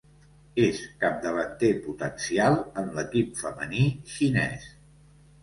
És capdavanter potencial en l'equip femení xinès.